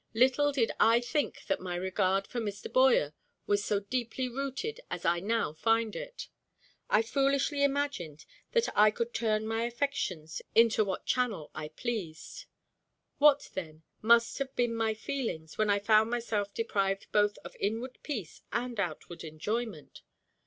Little did I think that my regard for Mr. Boyer was so deeply rooted as I now find it. I foolishly imagined that I could turn my affections into what channel I pleased. What, then, must have been my feelings, when I found myself deprived both of inward peace and outward enjoyment!